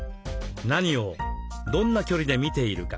何をどんな距離で見ているか。